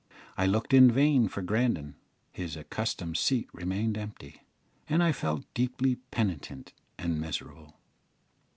I looked in vain for Grandon; his accustomed seat remained empty, and I felt deeply penitent and miserable.